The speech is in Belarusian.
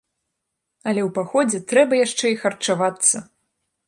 Але ў паходзе трэба яшчэ і харчавацца!